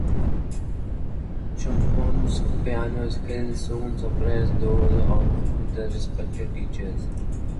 Chopin's piano skills soon surpassed those of his respected teacher.